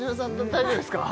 大丈夫ですか？